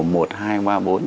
những văn bản cần thiết cho